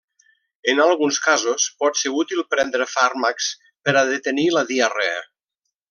En alguns casos pot ser útil prendre fàrmacs per a detenir la diarrea.